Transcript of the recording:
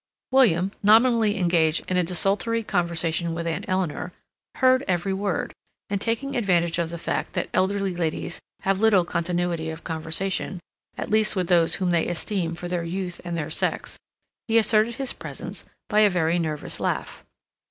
William, nominally engaged in a desultory conversation with Aunt Eleanor, heard every word, and taking advantage of the fact that elderly ladies have little continuity of conversation, at least with those whom they esteem for their youth and their sex, he asserted his presence by a very nervous laugh.